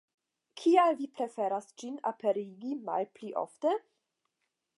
Kial vi preferas ĝin aperigi malpli ofte?